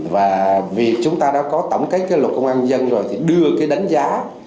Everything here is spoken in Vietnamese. và vì chúng ta đã có tổng cái luật công an dân rồi thì đưa cái đánh giá